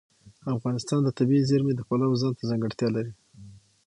افغانستان د طبیعي زیرمې د پلوه ځانته ځانګړتیا لري.